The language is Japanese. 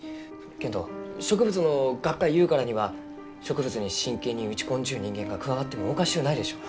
けんど植物の学会ゆうからには植物に真剣に打ち込んじゅう人間が加わってもおかしゅうないでしょう。